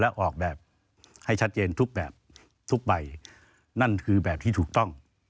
และออกแบบให้ชัดเจนทุกแบบทุกใบนั่นคือแบบที่ถูกต้อง